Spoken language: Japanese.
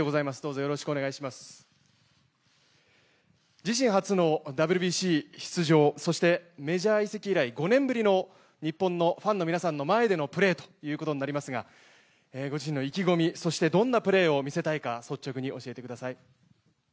自身初のＷＢＣ出場、そしてメジャー移籍以来５年ぶりの日本のファンの皆さんの前でのプレーということになりますが、ご自身の意気込み、そしてどんなプレーを見せたいか率直に教えてください。